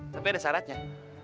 tapi ada syaratnya